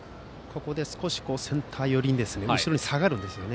少しセンター寄りに後ろに下がるんですよね。